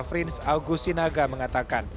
frins august sinaga mengatakan